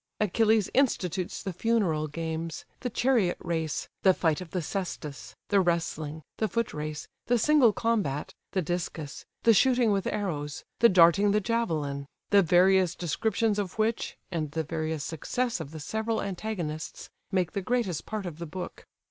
Achilles institutes the funeral games: the chariot race, the fight of the caestus, the wrestling, the foot race, the single combat, the discus, the shooting with arrows, the darting the javelin: the various descriptions of which, and the various success of the several antagonists, make the greatest part of the book.